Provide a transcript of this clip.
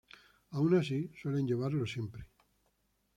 Aun así, suelen llevarlo siempre.